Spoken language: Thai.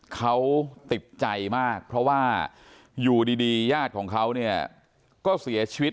เขาติดใจมากเพราะว่าอยู่ดีญาติของเขาก็เสียชีวิต